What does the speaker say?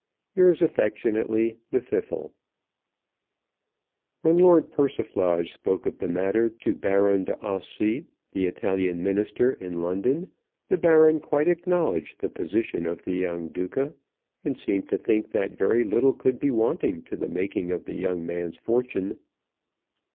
Yours affectionately, LLWDDYTHLW. When Lord Persiflage spoke of the matter to Baron d'Ossi, the Italian Minister in London, the Baron quite acknowledged the position of the young Duca, and seemed to think that very little could be wanting to the making of the young man's fortune.